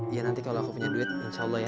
ya nanti kalau aku punya duit insya allah ya